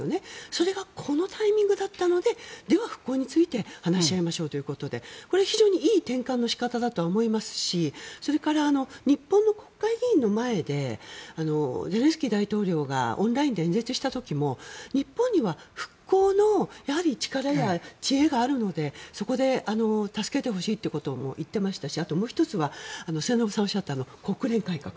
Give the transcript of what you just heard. それがこのタイミングだったのででは、復興について話し合いましょうということでこれは非常にいい転換の仕方だとは思いますしそれから、日本の国会議員の前でゼレンスキー大統領がオンラインで演説した時も日本には復興の力や知恵があるのでそこで助けてほしいということを言っていましたしあともう１つは末延さんがおっしゃった国連改革。